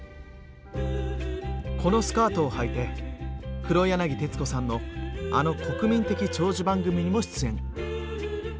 このスカートをはいて黒柳徹子さんのあの国民的長寿番組にも出演。